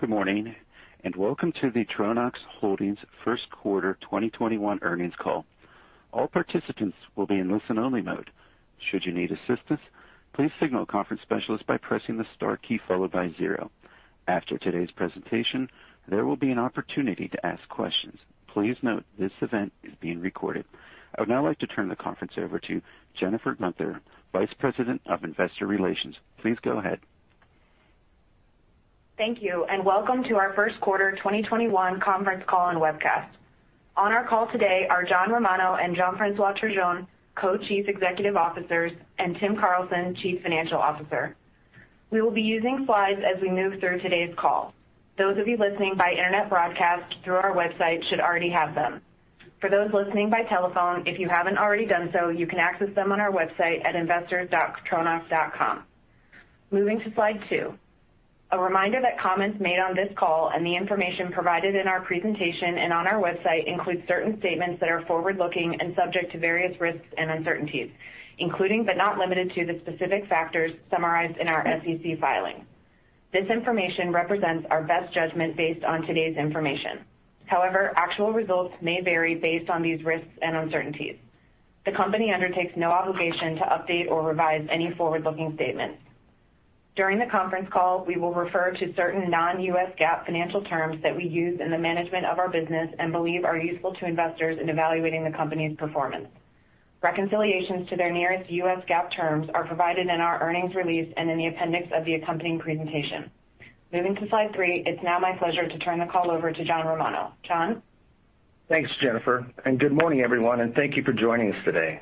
Good morning, welcome to the Tronox Holdings first quarter 2021 earnings call. All participants will be in listen-only mode. Should you need assistance, please signal a conference specialist by pressing the star key followed by zero. After today's presentation, there will be an opportunity to ask questions. Please note this event is being recorded. I would now like to turn the conference over to Jennifer Guenther, Vice President of Investor Relations. Please go ahead. Thank you, and welcome to our first quarter 2021 conference call and webcast. On our call today are John Romano and Jean-François Turgeon, Co-chief Executive Officers, and Tim Carlson, Chief Financial Officer. We will be using slides as we move through today's call. Those of you listening by internet broadcast through our website should already have them. For those listening by telephone, if you haven't already done so, you can access them on our website at investors.tronox.com. Moving to slide two. A reminder that comments made on this call and the information provided in our presentation and on our website include certain statements that are forward-looking and subject to various risks and uncertainties, including but not limited to the specific factors summarized in our SEC filing. This information represents our best judgment based on today's information. However, actual results may vary based on these risks and uncertainties. The company undertakes no obligation to update or revise any forward-looking statements. During the conference call, we will refer to certain non-U.S. GAAP financial terms that we use in the management of our business and believe are useful to investors in evaluating the company's performance. Reconciliations to their nearest U.S. GAAP terms are provided in our earnings release and in the appendix of the accompanying presentation. Moving to slide three, it's now my pleasure to turn the call over to John Romano. John? Thanks, Jennifer, and good morning, everyone, and thank you for joining us today.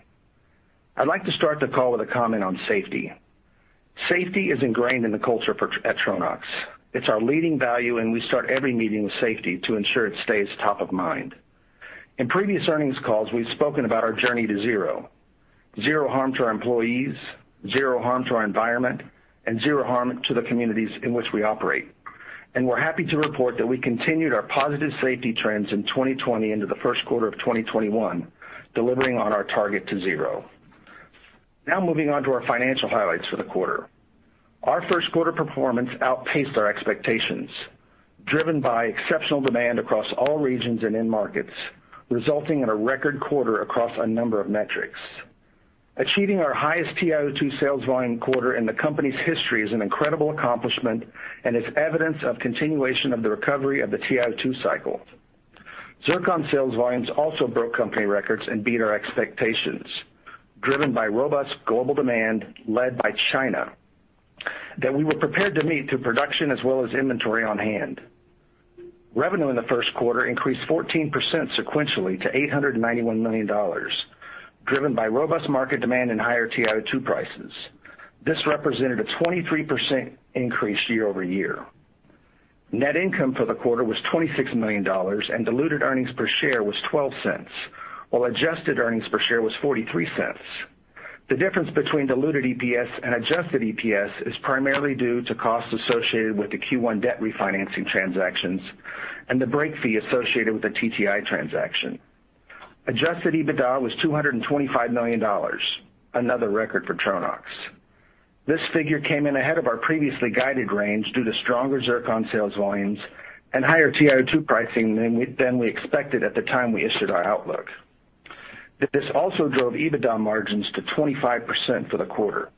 I'd like to start the call with a comment on safety. Safety is ingrained in the culture at Tronox. It's our leading value, and we start every meeting with safety to ensure it stays top of mind. In previous earnings calls, we've spoken about our Journey to Zero. Zero harm to our employees, zero harm to our environment, and zero harm to the communities in which we operate. We're happy to report that we continued our positive safety trends in 2020 into the first quarter of 2021, delivering on our target to zero. Now moving on to our financial highlights for the quarter. Our first quarter performance outpaced our expectations, driven by exceptional demand across all regions and end markets, resulting in a record quarter across a number of metrics. Achieving our highest TiO2 sales volume quarter in the company's history is an incredible accomplishment and is evidence of continuation of the recovery of the TiO2 cycle. Zircon sales volumes also broke company records and beat our expectations, driven by robust global demand led by China that we were prepared to meet through production as well as inventory on-hand. Revenue in the first quarter increased 14% sequentially to $891 million, driven by robust market demand and higher TiO2 prices. This represented a 23% increase year-over-year. Net income for the quarter was $26 million, and diluted earnings per share was $0.12, while adjusted earnings per share was $0.43. The difference between diluted EPS and adjusted EPS is primarily due to costs associated with the Q1 debt refinancing transactions and the break fee associated with the TTI transaction. Adjusted EBITDA was $225 million, another record for Tronox. This figure came in ahead of our previously guided range due to stronger zircon sales volumes and higher TiO2 pricing than we expected at the time we issued our outlook. This also drove EBITDA margins to 25% for the quarter.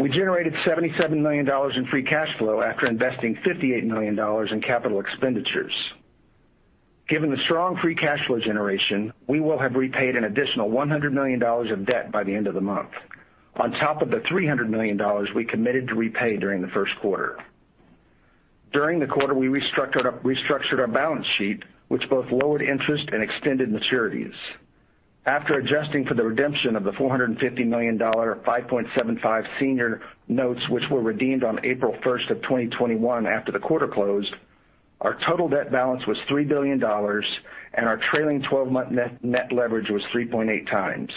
We generated $77 million in free cash flow after investing $58 million in capital expenditures. Given the strong free cash flow generation, we will have repaid an additional $100 million of debt by the end of the month, on top of the $300 million we committed to repay during the first quarter. During the quarter, we restructured our balance sheet, which both lowered interest and extended maturities. After adjusting for the redemption of the $450 million 5.75% Senior Notes, which were redeemed on April 1st, 2021 after the quarter closed, our total debt balance was $3 billion, and our trailing 12-month net leverage was 3.8x.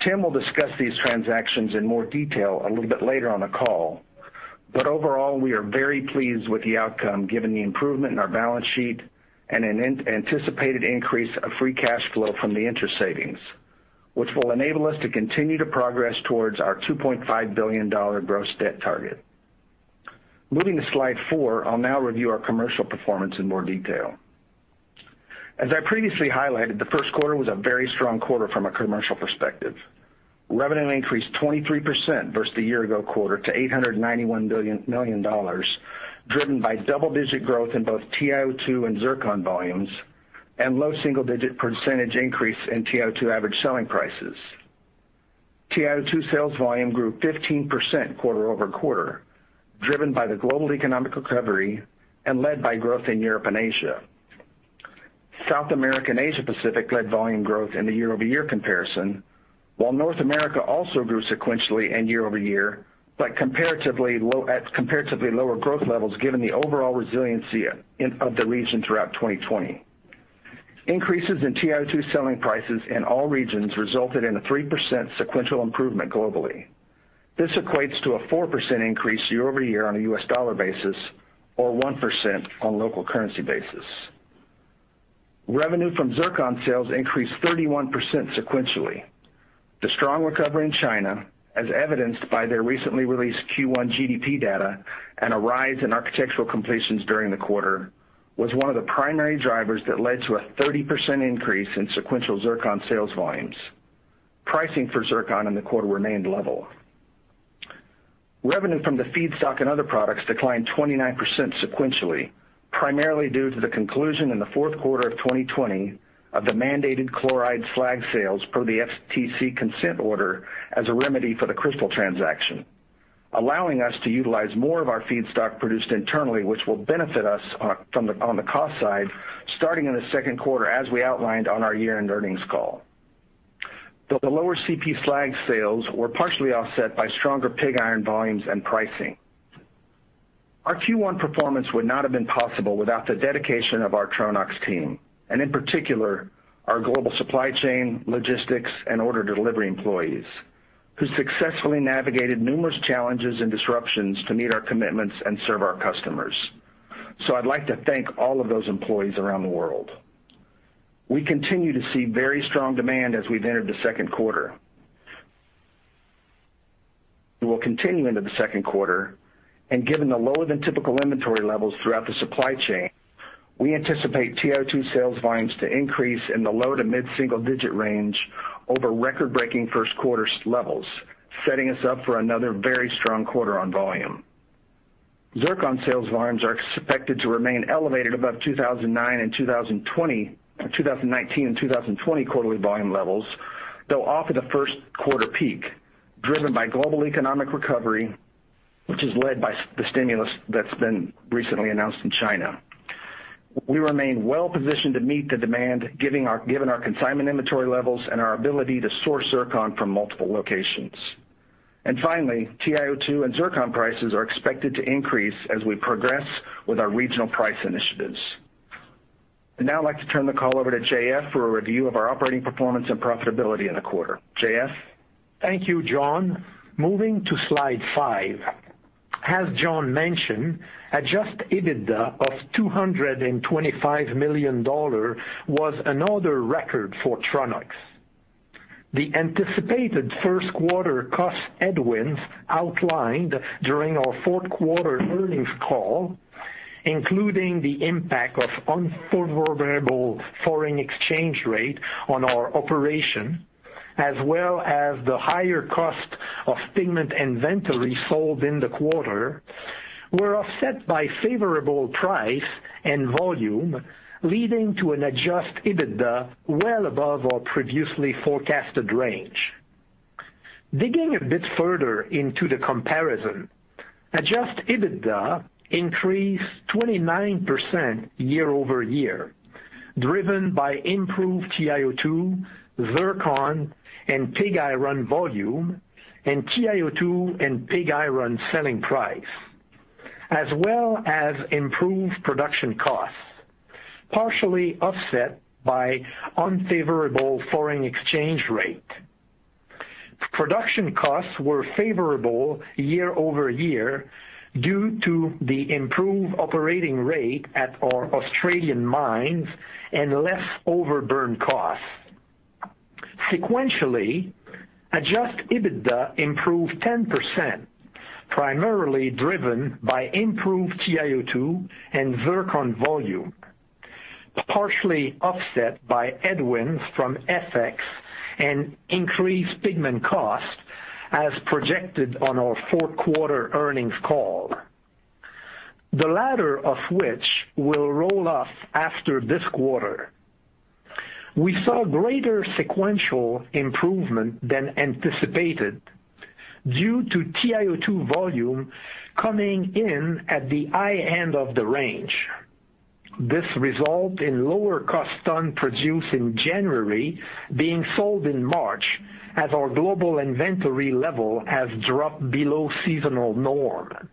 Tim will discuss these transactions in more detail a little bit later on the call. Overall, we are very pleased with the outcome given the improvement in our balance sheet and an anticipated increase of free cash flow from the interest savings, which will enable us to continue to progress towards our $2.5 billion gross debt target. Moving to slide four, I'll now review our commercial performance in more detail. As I previously highlighted, the first quarter was a very strong quarter from a commercial perspective. Revenue increased 23% versus the year-ago quarter to $891 million, driven by double-digit growth in both TiO2 and zircon volumes and low single-digit percentage increase in TiO2 average selling prices. TiO2 sales volume grew 15% quarter-over-quarter, driven by the global economic recovery and led by growth in Europe and Asia. South America and Asia Pacific led volume growth in the year-over-year comparison, while North America also grew sequentially and year-over-year, but at comparatively lower growth levels given the overall resiliency of the region throughout 2020. Increases in TiO2 selling prices in all regions resulted in a 3% sequential improvement globally. This equates to a 4% increase year-over-year on a U.S. dollar basis or 1% on local currency basis. Revenue from zircon sales increased 31% sequentially. The strong recovery in China, as evidenced by their recently released Q1 GDP data and a rise in architectural completions during the quarter, was one of the primary drivers that led to a 30% increase in sequential zircon sales volumes. Pricing for zircon in the quarter remained level. Revenue from the feedstock and other products declined 29% sequentially, primarily due to the conclusion in the fourth quarter of 2020 of the mandated chloride slag sales per the FTC consent order as a remedy for the Cristal transaction, allowing us to utilize more of our feedstock produced internally, which will benefit us on the cost side starting in the second quarter, as we outlined on our year-end earnings call. The lower CP slag sales were partially offset by stronger pig iron volumes and pricing. Our Q1 performance would not have been possible without the dedication of our Tronox team, and in particular our global supply chain, logistics, and order delivery employees who successfully navigated numerous challenges and disruptions to meet our commitments and serve our customers. I'd like to thank all of those employees around the world. We continue to see very strong demand as we've entered the second quarter. We'll continue into the second quarter, and given the lower than typical inventory levels throughout the supply chain, we anticipate TiO2 sales volumes to increase in the low to mid-single-digit range over record-breaking first quarter levels, setting us up for another very strong quarter on volume. Zircon sales volumes are expected to remain elevated above 2019 and 2020 quarterly volume levels, though off of the first quarter peak, driven by global economic recovery, which is led by the stimulus that's been recently announced in China. We remain well-positioned to meet the demand, given our consignment inventory levels and our ability to source zircon from multiple locations. Finally, TiO2 and zircon prices are expected to increase as we progress with our regional price initiatives. I'd now like to turn the call over to J.F. for a review of our operating performance and profitability in the quarter. J.F.? Thank you, John. Moving to slide five. As John mentioned, adjusted EBITDA of $225 million was another record for Tronox. The anticipated first quarter cost headwinds outlined during our fourth quarter earnings call, including the impact of unfavorable foreign exchange rate on our operation, as well as the higher cost of pigment inventory sold in the quarter, were offset by favorable price and volume, leading to an adjusted EBITDA well above our previously forecasted range. Digging a bit further into the comparison, adjusted EBITDA increased 29% year-over-year, driven by improved TiO2, zircon, and pig iron volume and TiO2 and pig iron selling price, as well as improved production costs, partially offset by unfavorable foreign exchange rate. Production costs were favorable year-over-year due to the improved operating rate at our Australian mines and less overburden costs. Sequentially, adjusted EBITDA improved 10%, primarily driven by improved TiO2 and zircon volume, partially offset by headwinds from FX and increased pigment cost as projected on our fourth-quarter earnings call, the latter of which will roll off after this quarter. We saw greater sequential improvement than anticipated due to TiO2 volume coming in at the high end of the range. This resulted in lower cost ton produced in January being sold in March as our global inventory level has dropped below seasonal norm.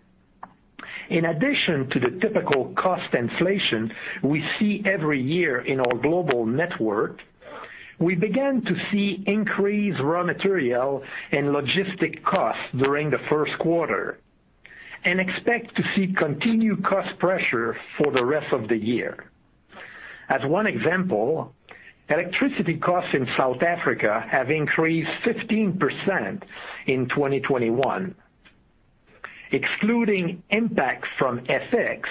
In addition to the typical cost inflation we see every year in our global network, we began to see increased raw material and logistic costs during the first quarter and expect to see continued cost pressure for the rest of the year. As one example, electricity costs in South Africa have increased 15% in 2021. Excluding impacts from FX,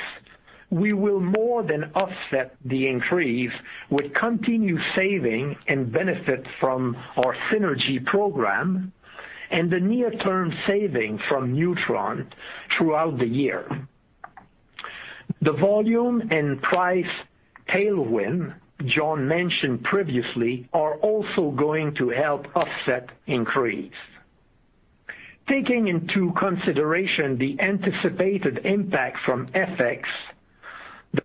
we will more than offset the increase with continued savings and benefit from our synergy program and the near-term savings from newTRON throughout the year. The volume and price tailwind John mentioned previously are also going to help offset increases. Taking into consideration the anticipated impact from FX,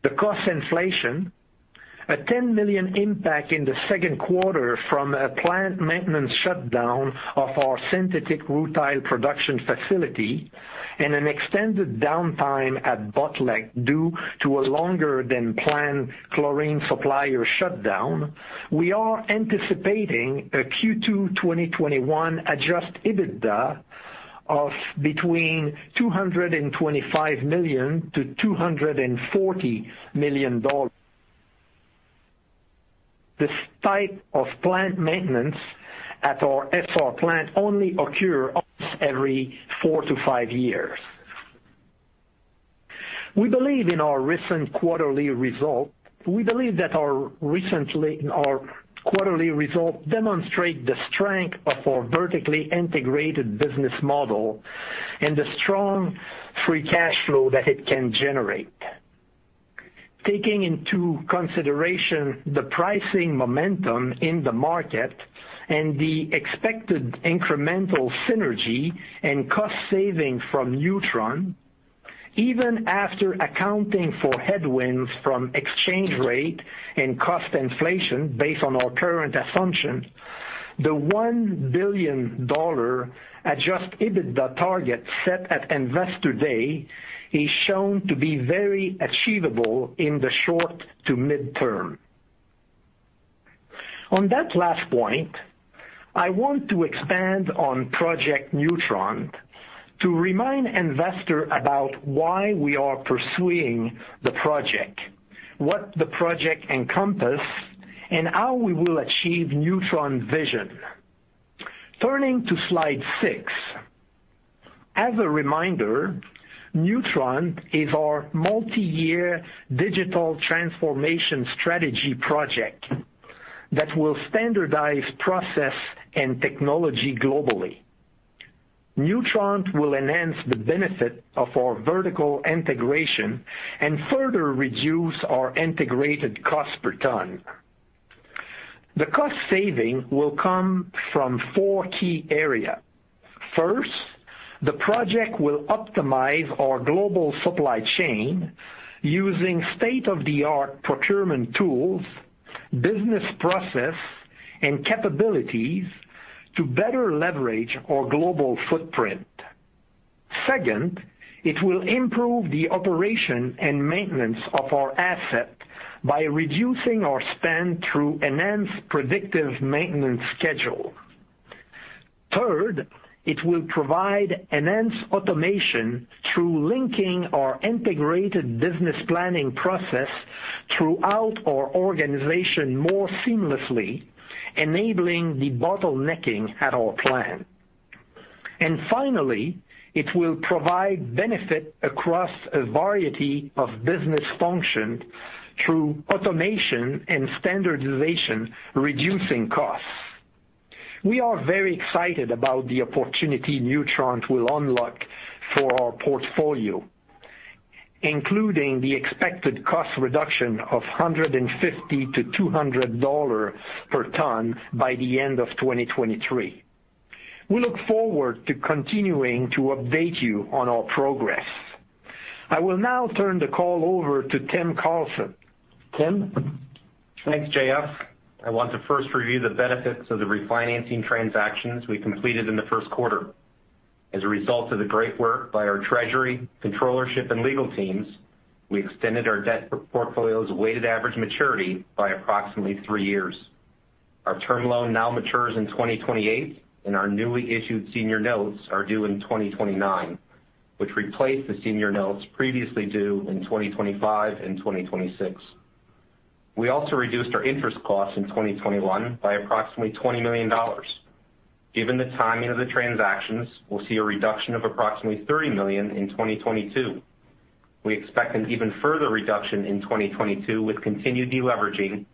the cost inflation, a $10 million impact in the second quarter from a plant maintenance shutdown of our synthetic rutile production facility, and an extended downtime at Botlek due to a longer-than-planned chlorine supplier shutdown, we are anticipating a Q2 2021 adjusted EBITDA of between $225 million to $240 million. This type of plant maintenance at our SR plant only occurs almost every four to five years. We believe in our recent quarterly result. We believe that our quarterly results demonstrate the strength of our vertically integrated business model and the strong free cash flow that it can generate. Taking into consideration the pricing momentum in the market and the expected incremental synergy and cost saving from newTRON, even after accounting for headwinds from exchange rate and cost inflation based on our current assumption, the $1 billion adjust EBITDA target set at Investor Day is shown to be very achievable in the short to mid-term. On that last point, I want to expand on Project newTRON to remind investor about why we are pursuing the project, what the project encompass, and how we will achieve newTRON vision. Turning to slide six. As a reminder, newTRON is our multi-year digital transformation strategy project that will standardize process and technology globally. newTRON will enhance the benefit of our vertical integration and further reduce our integrated cost per ton. The cost saving will come from four key area. First, the project will optimize our global supply chain using state-of-the-art procurement tools, business process, and capabilities to better leverage our global footprint. Second, it will improve the operation and maintenance of our asset by reducing our spend through enhanced predictive maintenance schedule. Third, it will provide enhanced automation through linking our integrated business planning process throughout our organization more seamlessly, enabling debottlenecking at our plant. Finally, it will provide benefit across a variety of business function through automation and standardization, reducing costs. We are very excited about the opportunity newTRON will unlock for our portfolio, including the expected cost reduction of $150-$200 per ton by the end of 2023. We look forward to continuing to update you on our progress. I will now turn the call over to Tim Carlson. Tim? Thanks, J.F. I want to first review the benefits of the refinancing transactions we completed in the first quarter. As a result of the great work by our treasury, controllership, and legal teams, we extended our debt portfolio's weighted average maturity by approximately three years. Our term loan now matures in 2028, and our newly issued Senior Notes are due in 2029, which replaced the Senior Notes previously due in 2025 and 2026. We also reduced our interest costs in 2021 by approximately $20 million. Given the timing of the transactions, we'll see a reduction of approximately $30 million in 2022. We expect an even further reduction in 2022 with continued deleveraging,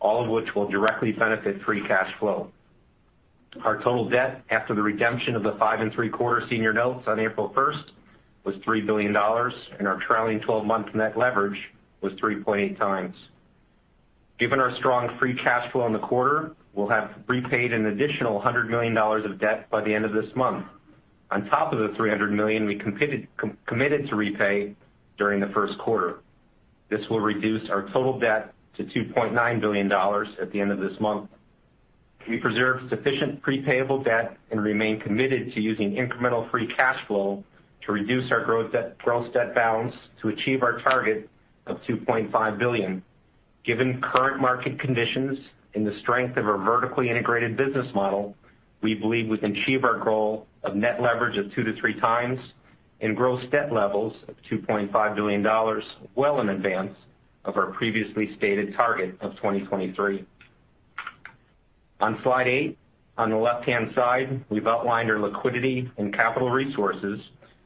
all of which will directly benefit free cash flow. Our total debt after the redemption of the 5.75% Senior Notes on April 1st was $3 billion, and our trailing 12-month net leverage was 3.8x. Given our strong free cash flow in the quarter, we'll have repaid an additional $100 million of debt by the end of this month. On top of the $300 million we committed to repay during the first quarter. This will reduce our total debt to $2.9 billion at the end of this month. We preserve sufficient pre-payable debt and remain committed to using incremental free cash flow to reduce our gross debt balance to achieve our target of $2.5 billion. Given current market conditions and the strength of our vertically integrated business model, we believe we can achieve our goal of net leverage of 2-3x and gross debt levels of $2.5 billion, well in advance of our previously stated target of 2023. On slide eight, on the left-hand side, we've outlined our liquidity and capital resources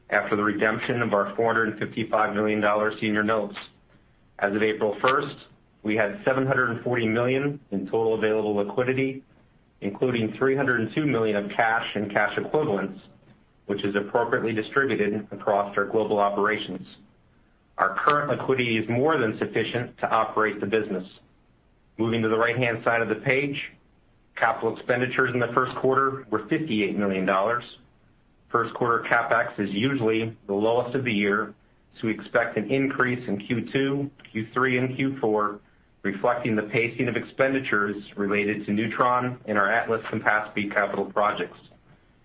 after the redemption of our $450 million 5.75% Senior Notes. As of April 1st, we had $740 million in total available liquidity, including $302 million of cash and cash equivalents, which is appropriately distributed across our global operations. Our current liquidity is more than sufficient to operate the business. Moving to the right-hand side of the page, capital expenditures in the first quarter were $58 million. First quarter CapEx is usually the lowest of the year, so we expect an increase in Q2, Q3, and Q4, reflecting the pacing of expenditures related to newTRON and our Atlas Campaspe capital projects,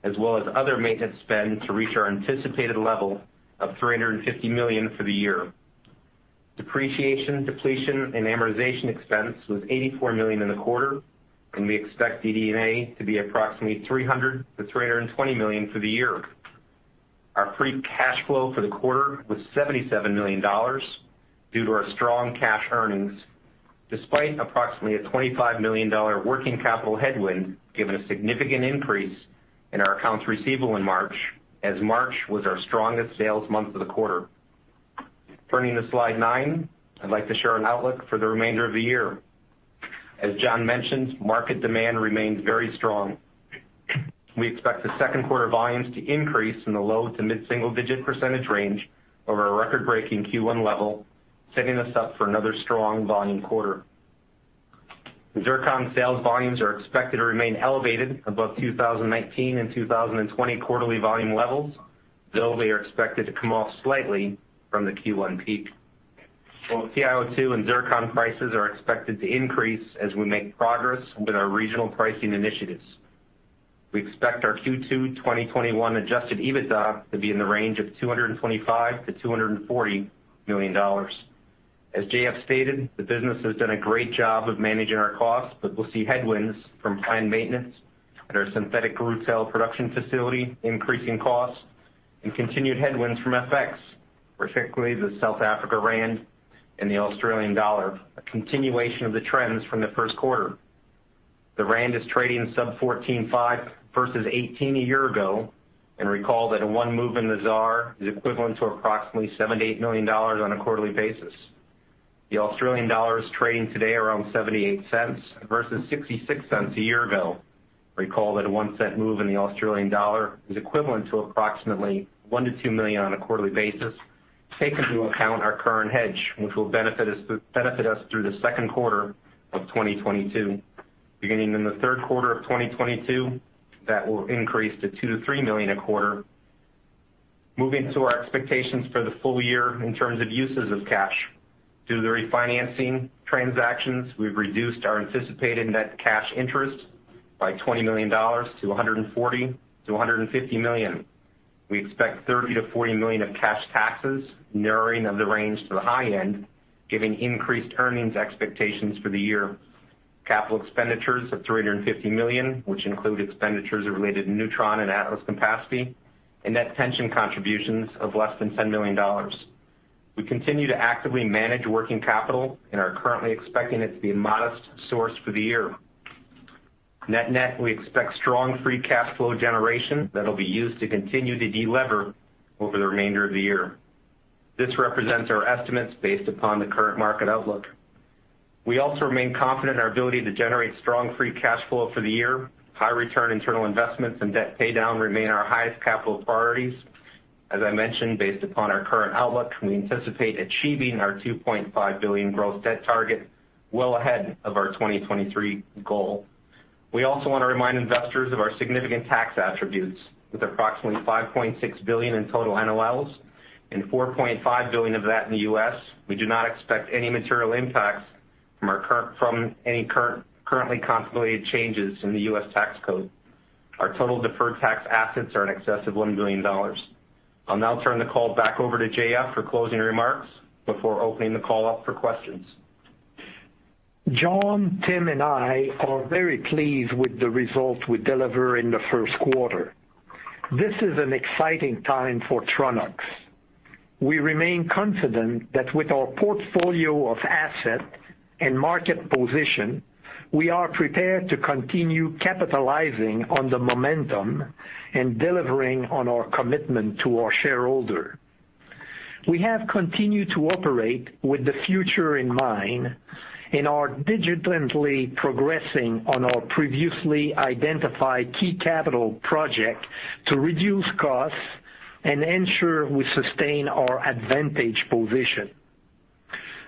as well as other maintenance spend to reach our anticipated level of $350 million for the year. Depreciation, depletion, and amortization expense was $84 million in the quarter, and we expect DD&A to be approximately $300 million-$320 million for the year. Our free cash flow for the quarter was $77 million due to our strong cash earnings, despite approximately a $25 million working capital headwind, given a significant increase in our accounts receivable in March, as March was our strongest sales month of the quarter. Turning to slide nine, I'd like to share an outlook for the remainder of the year. As John mentioned, market demand remains very strong. We expect the second quarter volumes to increase in the low to mid-single digit percentage range over our record-breaking Q1 level, setting us up for another strong volume quarter. Zircon sales volumes are expected to remain elevated above 2019 and 2020 quarterly volume levels, though they are expected to come off slightly from the Q1 peak. Both TiO2 and zircon prices are expected to increase as we make progress with our regional pricing initiatives. We expect our Q2 2021 adjusted EBITDA to be in the range of $225 million-$240 million. As J.F. stated, the business has done a great job of managing our costs, we'll see headwinds from planned maintenance at our synthetic rutile production facility, increasing costs, and continued headwinds from FX, particularly the South African rand and the Australian dollar, a continuation of the trends from the first quarter. The rand is trading sub 14.5 versus 18 a year ago, recall that a one move in the ZAR is equivalent to approximately $7 million-$8 million on a quarterly basis. The Australian dollar is trading today around 0.78 versus 0.66 a year ago. Recall that an AUD 0.01 move in the Australian dollar is equivalent to approximately $1 million-$2 million on a quarterly basis, taking into account our current hedge, which will benefit us through the second quarter of 2022. Beginning in the third quarter of 2022, that will increase to $2 million-$3 million a quarter. Moving to our expectations for the full year in terms of uses of cash. Through the refinancing transactions, we've reduced our anticipated net cash interest by $20 million to $140 million-$150 million. We expect $30 million-$40 million of cash taxes, narrowing of the range to the high end, given increased earnings expectations for the year. Capital expenditures of $350 million, which include expenditures related to newTRON and Atlas Campaspe, and net pension contributions of less than $10 million. We continue to actively manage working capital and are currently expecting it to be a modest source for the year. Net-net, we expect strong free cash flow generation that will be used to continue to de-lever over the remainder of the year. This represents our estimates based upon the current market outlook. We also remain confident in our ability to generate strong free cash flow for the year. High return internal investments and debt paydown remain our highest capital priorities. As I mentioned, based upon our current outlook, we anticipate achieving our $2.5 billion gross debt target well ahead of our 2023 goal. We also want to remind investors of our significant tax attributes with approximately $5.6 billion in total NOLs and $4.5 billion of that in the U.S. We do not expect any material impacts from any currently contemplated changes in the U.S. tax code. Our total deferred tax assets are in excess of $1 billion. I'll now turn the call back over to J.F. for closing remarks before opening the call up for questions. John, Tim, and I are very pleased with the results we delivered in the first quarter. This is an exciting time for Tronox. We remain confident that with our portfolio of asset and market position, we are prepared to continue capitalizing on the momentum and delivering on our commitment to our shareholder. We have continued to operate with the future in mind and are diligently progressing on our previously identified key capital project to reduce costs and ensure we sustain our advantage position.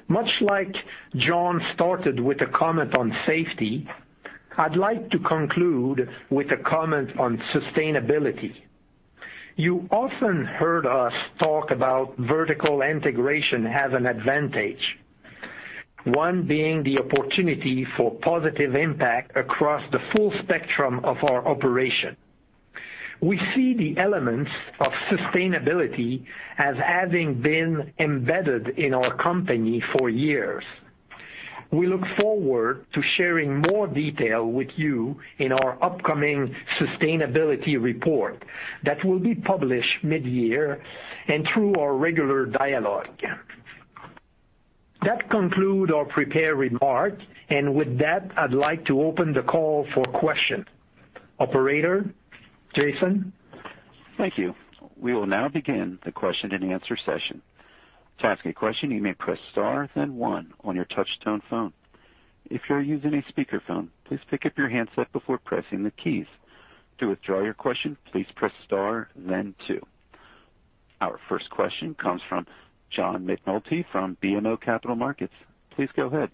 Much like John started with a comment on safety, I'd like to conclude with a comment on sustainability. You often heard us talk about vertical integration as an advantage, one being the opportunity for positive impact across the full spectrum of our operation. We see the elements of sustainability as having been embedded in our company for years. We look forward to sharing more detail with you in our upcoming sustainability report that will be published mid-year and through our regular dialogue. That conclude our prepared remark, and with that, I'd like to open the call for question. Operator? Jason? Thank you. We will now begin the question and answer session. To ask a question, you may press star, then one on your touch-tone phone. If you're using a speakerphone, please pick up your handset before pressing the keys. To withdraw your question, please press star, then two. Our first question comes from John McNulty from BMO Capital Markets. Please go ahead.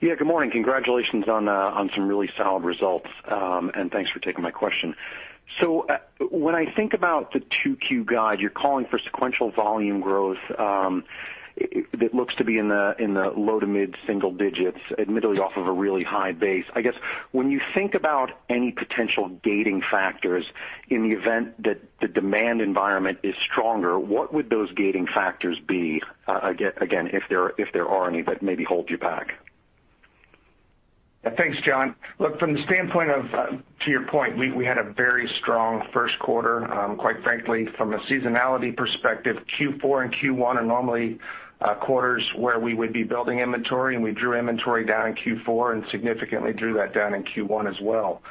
Good morning. Congratulations on some really solid results, and thanks for taking my question. When I think about the 2Q guide, you're calling for sequential volume growth that looks to be in the low to mid-single digits, admittedly off of a really high base. I guess when you think about any potential gating factors in the event that the demand environment is stronger, what would those gating factors be, again, if there are any that maybe hold you back? Thanks, John. Look, from the standpoint of, to your point, we had a very strong first quarter. Quite frankly, from a seasonality perspective, Q4 and Q1 are normally quarters where we would be building inventory, and we drew inventory down in Q4 and significantly drew that down in Q1 as well.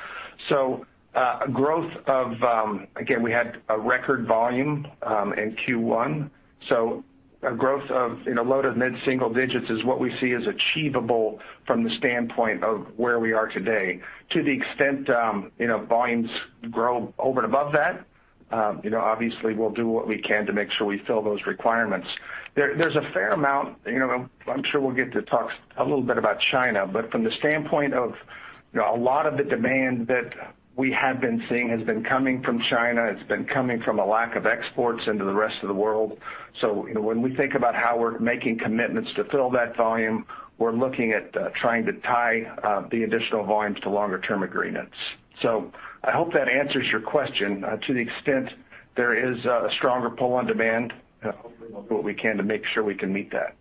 Growth of, again, we had a record volume in Q1. A growth of low to mid-single digits is what we see is achievable from the standpoint of where we are today. To the extent volumes grow over and above that, obviously, we'll do what we can to make sure we fill those requirements. There's a fair amount, I'm sure we'll get to talk a little bit about China, but from the standpoint of a lot of the demand that we have been seeing has been coming from China. It's been coming from a lack of exports into the rest of the world. When we think about how we're making commitments to fill that volume, we're looking at trying to tie the additional volumes to longer-term agreements. I hope that answers your question. To the extent there is a stronger pull on demand, hopefully we'll do what we can to make sure we can meet that.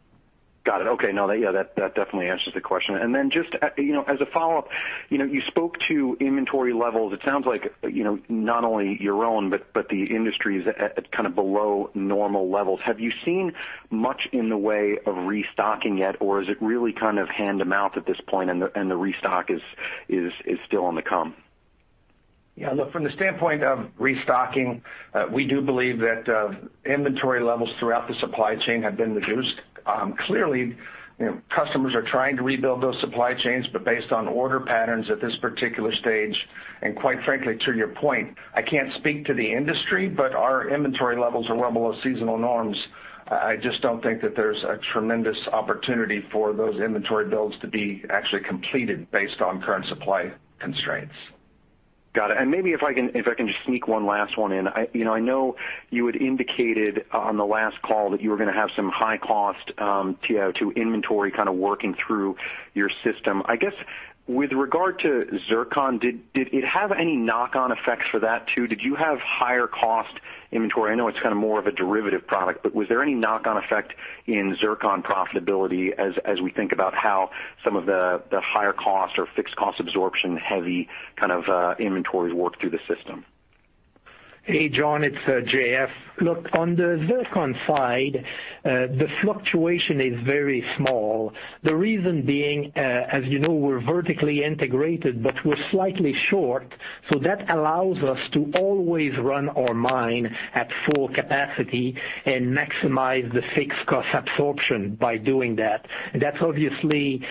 Got it. Okay. No, that definitely answers the question. Just as a follow-up, you spoke to inventory levels. It sounds like, not only your own, but the industry's at kind of below normal levels. Have you seen much in the way of restocking yet? Is it really kind of hand-to-mouth at this point and the restock is still on the come? Yeah, look, from the standpoint of restocking, we do believe that inventory levels throughout the supply chain have been reduced. Clearly, customers are trying to rebuild those supply chains, based on order patterns at this particular stage, and quite frankly, to your point, I can't speak to the industry, but our inventory levels are well below seasonal norms. I just don't think that there's a tremendous opportunity for those inventory builds to be actually completed based on current supply constraints. Got it. Maybe if I can just sneak one last one in. I know you had indicated on the last call that you were going to have some high cost TiO2 inventory kind of working through your system. I guess, with regard to zircon, did it have any knock-on effects for that too? Did you have higher cost inventory? I know it's kind of more of a derivative product, was there any knock-on effect in zircon profitability as we think about how some of the higher cost or fixed cost absorption heavy kind of inventories work through the system? Hey, John, it's J.F. Look, on the zircon side the fluctuation is very small. The reason being as you know, we're vertically integrated, but we're slightly short, so that allows us to always run our mine at full capacity and maximize the fixed cost absorption by doing that. That obviously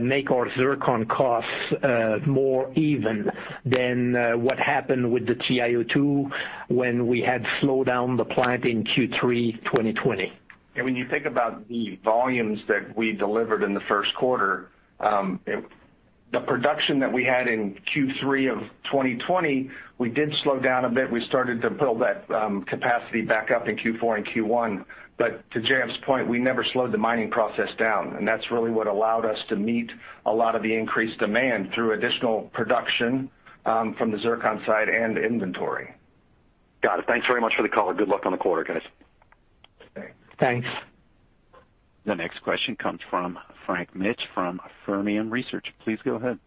make our zircon costs more even than what happened with the TiO2 when we had slowed down the plant in Q3 2020. When you think about the volumes that we delivered in the first quarter, the production that we had in Q3 of 2020, we did slow down a bit. We started to build that capacity back up in Q4 and Q1. To J.F.'s point, we never slowed the mining process down, and that's really what allowed us to meet a lot of the increased demand through additional production from the zircon side and inventory. Got it. Thanks very much for the call. Good luck on the quarter, guys. Okay. Thanks. The next question comes from Frank Mitsch from Fermium Research. Please go ahead.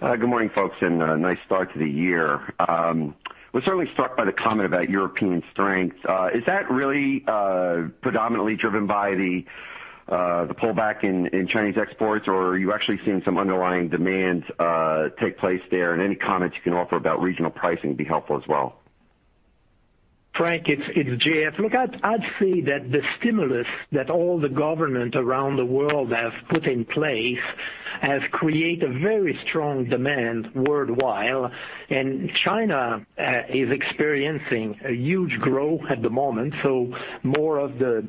Good morning, folks. Nice start to the year. I was certainly struck by the comment about European strength. Is that really predominantly driven by the pullback in Chinese exports, or are you actually seeing some underlying demand take place there, and any comments you can offer about regional pricing would be helpful as well? Frank, it's J.F. Look, I'd say that the stimulus that all the government around the world have put in place has created a very strong demand worldwide. China is experiencing a huge growth at the moment, so more of the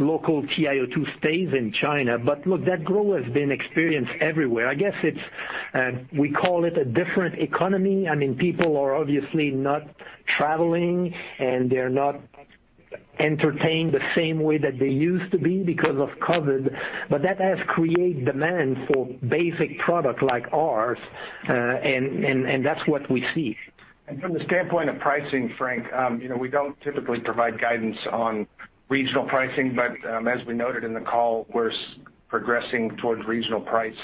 local TiO2 stays in China. Look, that growth has been experienced everywhere. I guess it's, we call it a different economy. I mean, people are obviously not traveling, and they're not entertained the same way that they used to be because of COVID, but that has created demand for basic products like ours, and that's what we see. From the standpoint of pricing, Frank, we don't typically provide guidance on regional pricing, but as we noted in the call, we're progressing towards regional price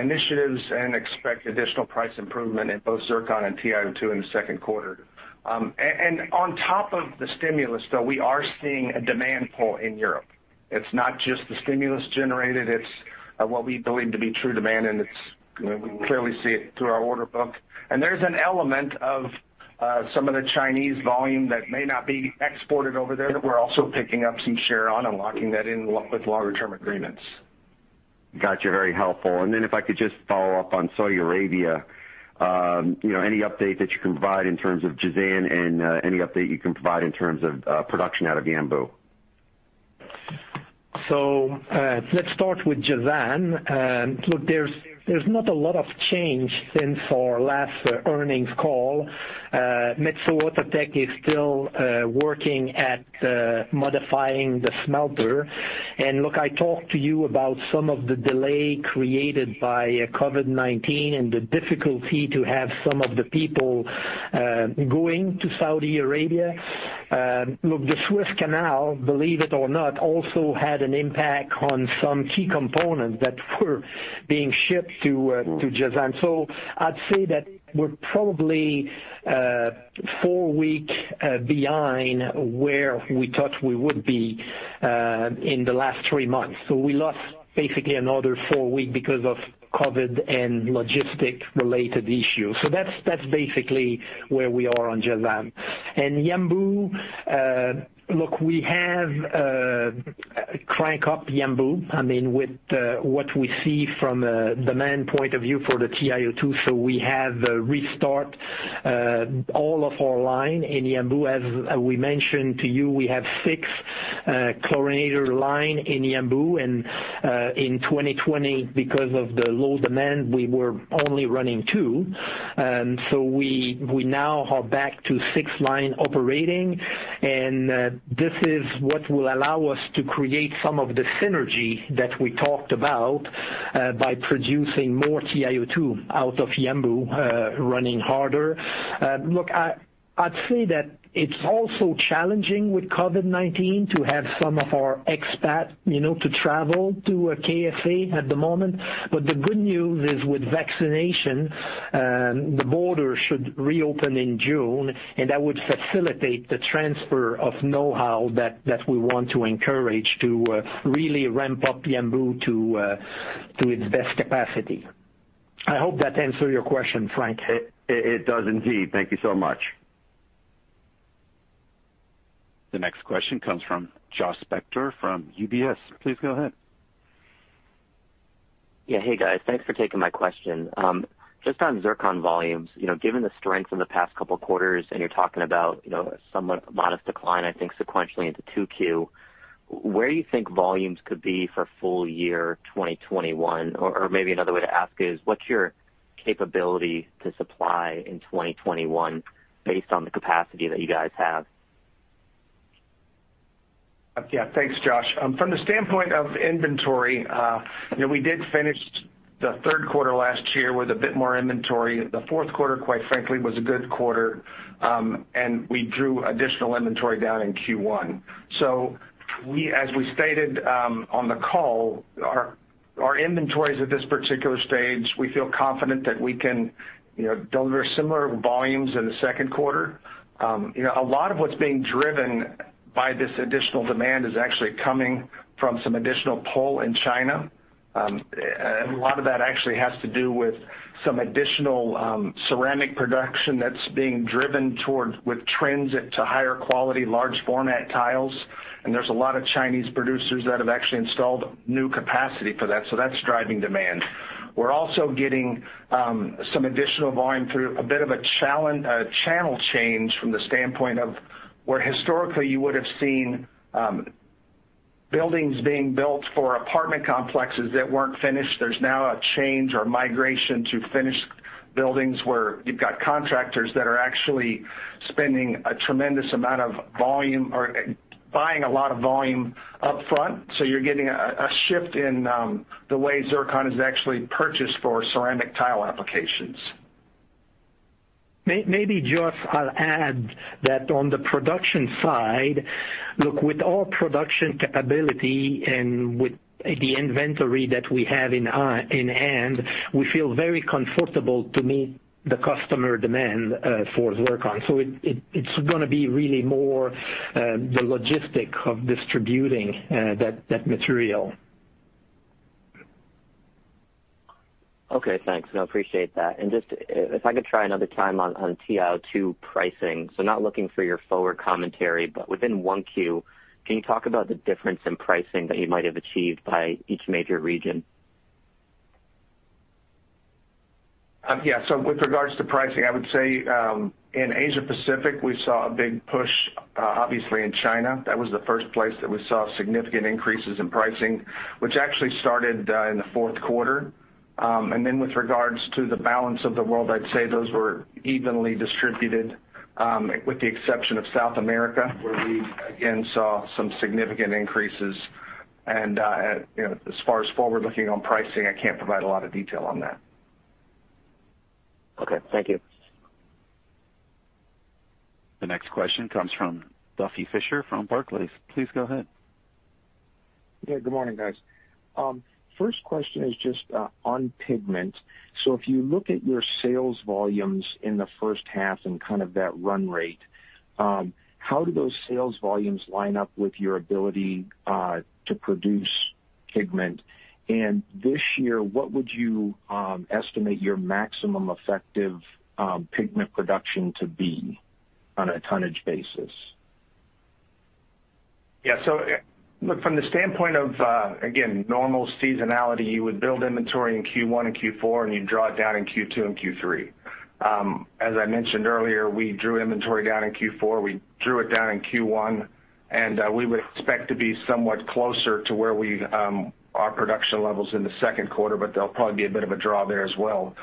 initiatives and expect additional price improvement in both zircon and TiO2 in the second quarter. On top of the stimulus, though, we are seeing a demand pull in Europe. It's not just the stimulus generated, it's what we believe to be true demand, and we clearly see it through our order book. There's an element of some of the Chinese volume that may not be exported over there that we're also picking up some share on and locking that in with longer-term agreements. Got you. Very helpful. If I could just follow up on Saudi Arabia. Any update that you can provide in terms of Jazan and any update you can provide in terms of production out of Yanbu? Let's start with Jazan. Look, there's not a lot of change since our last earnings call. Metso Outotec is still working at modifying the smelter. Look, I talked to you about some of the delay created by COVID-19 and the difficulty to have some of the people going to Saudi Arabia. Look, the Suez Canal, believe it or not, also had an impact on some key components that were being shipped to Jazan. I'd say that we're probably four weeks behind where we thought we would be in the last three months. We lost basically another four weeks because of COVID and logistic-related issues. That's basically where we are on Jazan. Yanbu, look, we have crank up Yanbu, with what we see from a demand point of view for the TiO2. We have restart all of our line in Yanbu. As we mentioned to you, we have six chlorinator line in Yanbu, and in 2020, because of the low demand, we were only running two. We now are back to six line operating, and this is what will allow us to create some of the synergy that we talked about by producing more TiO2 out of Yanbu running harder. Look, I'd say that it's also challenging with COVID-19 to have some of our expat to travel to KSA at the moment. The good news is with vaccination, the border should reopen in June, and that would facilitate the transfer of know-how that we want to encourage to really ramp up Yanbu to its best capacity. I hope that answered your question, Frank. It does indeed. Thank you so much. The next question comes from Josh Spector from UBS. Please go ahead. Yeah. Hey, guys. Thanks for taking my question. Just on zircon volumes, given the strength in the past couple of quarters, and you're talking about a somewhat modest decline, I think, sequentially into 2Q, where do you think volumes could be for full year 2021? Maybe another way to ask is, what's your capability to supply in 2021 based on the capacity that you guys have? Thanks, Josh. From the standpoint of inventory, we did finish the third quarter last year with a bit more inventory. The fourth quarter, quite frankly, was a good quarter, and we drew additional inventory down in Q1. As we stated on the call, our inventories at this particular stage, we feel confident that we can deliver similar volumes in the second quarter. A lot of what's being driven by this additional demand is actually coming from some additional pull in China. A lot of that actually has to do with some additional ceramic production that's being driven with trends to higher quality, large format tiles. There's a lot of Chinese producers that have actually installed new capacity for that. That's driving demand. We're also getting some additional volume through a bit of a channel change from the standpoint of where historically you would have seen buildings being built for apartment complexes that weren't finished. There's now a change or migration to finished buildings where you've got contractors that are actually spending a tremendous amount of volume or buying a lot of volume up front. You're getting a shift in the way zircon is actually purchased for ceramic tile applications. Maybe Josh, I'll add that on the production side, look, with our production capability and with the inventory that we have in hand, we feel very comfortable to meet the customer demand for zircon. It's going to be really more the logistics of distributing that material. Okay, thanks. No, appreciate that. Just if I could try another time on TiO2 pricing. Not looking for your forward commentary, but within 1Q, can you talk about the difference in pricing that you might have achieved by each major region? With regards to pricing, I would say, in Asia Pacific, we saw a big push, obviously in China. That was the first place that we saw significant increases in pricing, which actually started in the fourth quarter. With regards to the balance of the world, I'd say those were evenly distributed, with the exception of South America, where we again saw some significant increases. As far as forward-looking on pricing, I can't provide a lot of detail on that. Okay. Thank you. The next question comes from Duffy Fischer from Barclays. Please go ahead. Good morning, guys. First question is just on pigment. If you look at your sales volumes in the first half and kind of that run rate, how do those sales volumes line up with your ability to produce pigment? This year, what would you estimate your maximum effective pigment production to be on a tonnage basis? Look, from the standpoint of, again, normal seasonality, you would build inventory in Q1 and Q4, and you'd draw it down in Q2 and Q3. As I mentioned earlier, we drew inventory down in Q4. We drew it down in Q1. We would expect to be somewhat closer to where our production levels in the second quarter, but there'll probably be a bit of a draw there as well.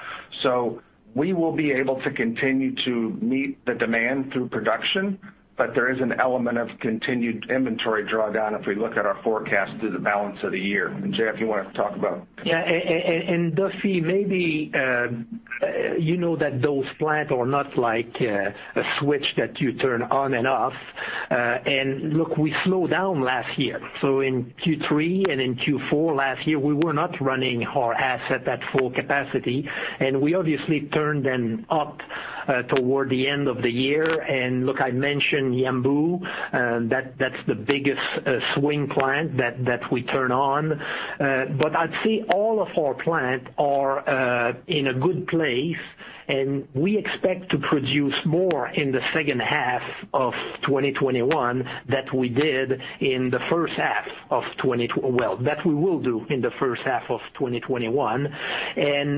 We will be able to continue to meet the demand through production, but there is an element of continued inventory drawdown if we look at our forecast through the balance of the year. J.F., you want to talk about? Yeah. Duffy, maybe you know that those plants are not like a switch that you turn on and off. Look, we slowed down last year. In Q3 and in Q4 last year, we were not running our asset at full capacity, and we obviously turned them up toward the end of the year. Look, I mentioned Yanbu. That's the biggest swing plant that we turn on. I'd say all of our plants are in a good place, and we expect to produce more in the second half of 2021 that we did in the first half of 2020, well, that we will do in the first half of 2021.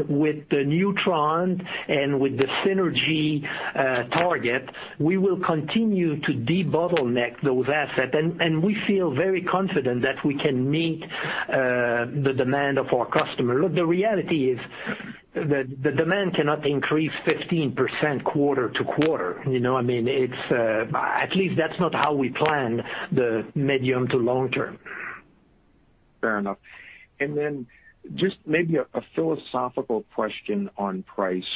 With the newTRON and with the synergy target, we will continue to debottleneck those assets. We feel very confident that we can meet the demand of our customer. Look, the reality is that the demand cannot increase 15% quarter to quarter. At least that's not how we plan the medium to long term. Fair enough. Then just maybe a philosophical question on price.